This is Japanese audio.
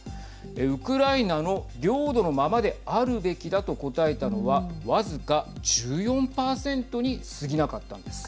ウクライナの領土のままであるべきだと答えたのは僅か１４％に過ぎなかったんです。